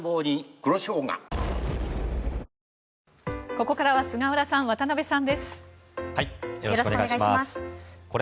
ここからは菅原さん、渡辺さんです。